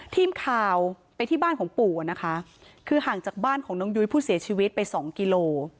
ทีมข่าวไปที่บ้านของปู่อะนะคะคือห่างจากบ้านของน้องยุ้ยผู้เสียชีวิตไปสองกิโล